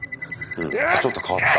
ちょっと変わった。